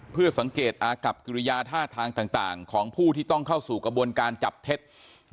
เพื่อสังเกตอากับกิริยาท่าทางต่างของผู้ที่ต้องเข้าสู่กระบวนการจับเท็จ